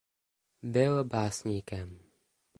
Byl básníkem.